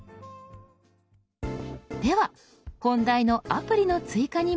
では本題のアプリの追加に戻りましょう。